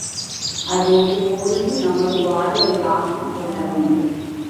அதேபோழ்து நமது வாழ்வை ஆக்கிக்கொள்ள வேண்டும்.